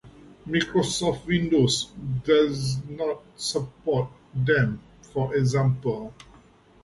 Microsoft Windows does not support them, for example.